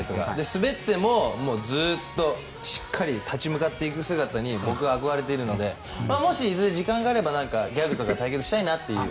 スベってもずっとしっかり立ち向かっていく姿に僕は憧れているのでもし、いずれ時間があればギャグとか対決したいなって。